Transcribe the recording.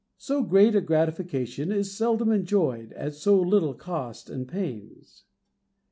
So great a gratification is seldom enjoyed at so little cost and pains.